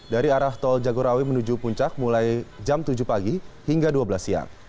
dari arah tol jagorawi menuju puncak mulai jam tujuh pagi hingga dua belas siang